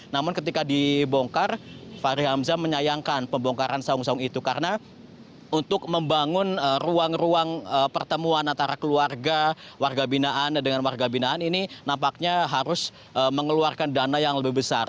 namun ketika dibongkar fahri hamzah menyayangkan pembongkaran saung saung itu karena untuk membangun ruang ruang pertemuan antara keluarga warga binaan dengan warga binaan ini nampaknya harus mengeluarkan dana yang lebih besar